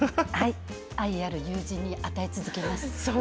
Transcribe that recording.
愛ある友人に与え続けます。